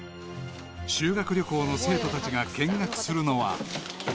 ［修学旅行の生徒たちが見学するのは］